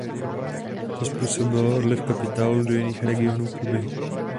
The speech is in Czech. To způsobilo odliv kapitálu do jiných regionů Kuby.